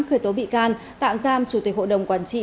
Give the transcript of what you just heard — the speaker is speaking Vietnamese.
khởi tố bị can tạm giam chủ tịch hội đồng quản trị